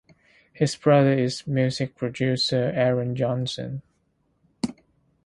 His brother is music producer Aaron Johnson.